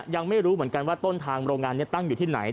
ยังไม่รู้เหมือนกันว่าต้นทางโรงงานนี้ตั้งอยู่ที่ไหน